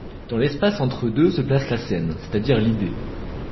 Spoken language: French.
Dans l'espace entre-deux se place la scène, c'est-à-dire l'idée.